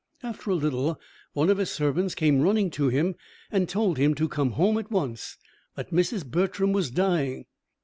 After a little, one of his servants came running to him and told him to come home at once that Mrs. Bertram was dying.